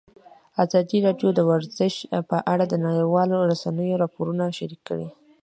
ازادي راډیو د ورزش په اړه د نړیوالو رسنیو راپورونه شریک کړي.